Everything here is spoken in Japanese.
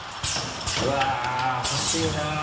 うわっほしいな。